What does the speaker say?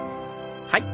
はい。